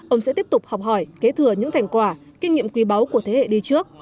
ông sẽ tiếp tục học hỏi kế thừa những thành quả kinh nghiệm quý báu của thế hệ đi trước